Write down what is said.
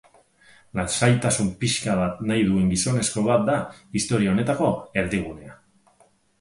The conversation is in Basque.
Lasaitasun pixka bat nahi duen gizonezko bat da istorio honetako erdigunea.